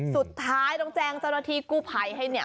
สุดท้ายต้องแจ้งเจ้าหน้าที่กู้ภัยให้เนี่ย